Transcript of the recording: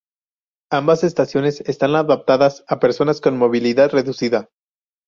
Ambas estaciones están adaptadas a personas con movilidad reducida.